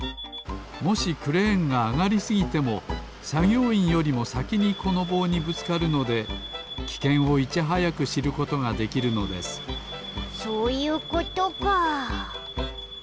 もしクレーンがあがりすぎてもさぎょういんよりもさきにこのぼうにぶつかるのできけんをいちはやくしることができるのですそういうことか。